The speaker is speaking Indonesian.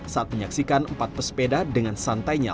saat menyaksikan empat pesepeda dengan santainya